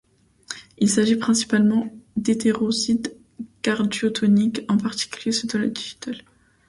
Il s'agit principalement d'hétérosides cardiotoniques, en particulier, ceux de la digitale.